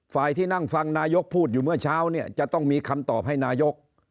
ที่นั่งฟังนายกพูดอยู่เมื่อเช้าเนี่ยจะต้องมีคำตอบให้นายก